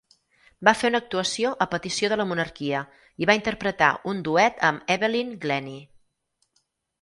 Va fer una actuació a petició de la monarquia i va interpretar un duet amb Evelyn Glennie.